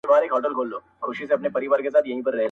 • پر مخ لاسونه په دوعا مات کړي..